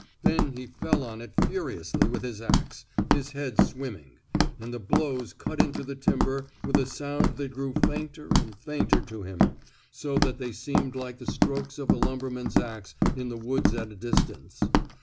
Then he fell on it furiously with his ax, his head swimming; and the blows cut into the timber with a sound that grew fainter and fainter to him, so that they seemed like the strokes of a lumberman's ax in the woods at a distance.